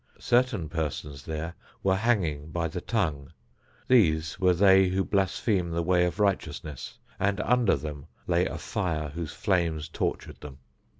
Certain persons there were hanging by the tongue. These were they who blaspheme the way of righteousness, and under them lay a fire whose flames tortured them.